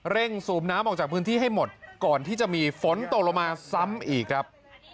สูบน้ำออกจากพื้นที่ให้หมดก่อนที่จะมีฝนตกลงมาซ้ำอีกครับ